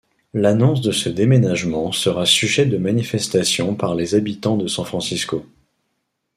L'annonce de ce déménagement sera sujet de manifestations par les habitants de San Francisco.